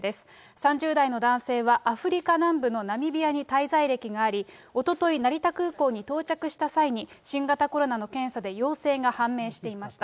３０代の男性は、アフリカ南部のナミビアに滞在歴があり、おととい、成田空港に到着した際に、新型コロナの検査で陽性が判明していました。